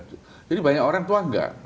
jadi banyak orang yang tua gak